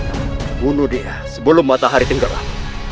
bunuh dia sebelum matahari tenggelam